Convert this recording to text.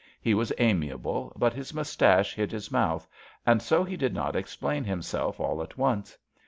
He was amiable, but his moustache hid his mouth, and so he did not explain himself all at once.